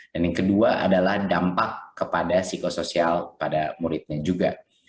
dan yang kedua adalah dampak kepada psikososial pada muridnya juga